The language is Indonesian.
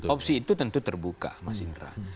opsi itu tentu terbuka mas indra